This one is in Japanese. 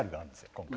今回。